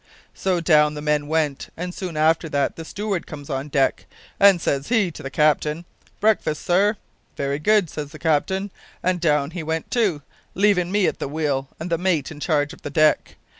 "So down the men went, and soon after that the steward comes on deck, and, says he to the captain, `Breakfast, sir.' `Very good,' says the captain, and down he went too, leavin' me at the wheel and the mate in charge of the deck.